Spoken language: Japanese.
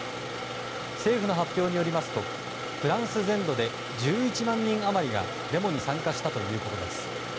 政府の発表によりますとフランス全土で１１万人余りがデモに参加したということです。